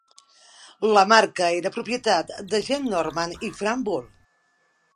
La marca era propietat de Gene Norman i Frank Bull.